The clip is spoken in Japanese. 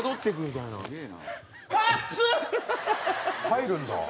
入るんだ。